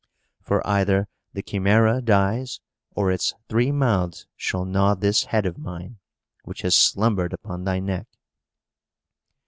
For either the Chimæra dies, or its three mouths shall gnaw this head of mine, which has slumbered upon thy neck!"